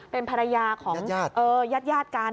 เป็นภรรยาของยาดกันเออยาดกัน